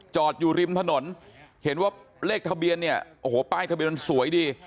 จอดอยู่ริมถนนเห็นว่าเลขทะเบียนเนี่ยโอ้โหป้ายทะเบียนมันสวยดี